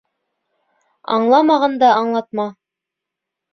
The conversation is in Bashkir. Аңламағанды аңлатма.